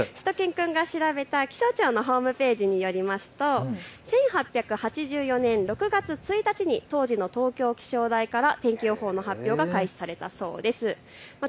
しゅと犬くんが調べた気象庁のホームページによりますと１８８４年６月１日に当時の東京気象台から天気予報の発表が開始されたそうです。